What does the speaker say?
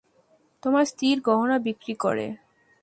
তোমার স্ত্রীর গহনা বিক্রি করে।